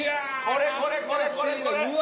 これこれこれこれこれ。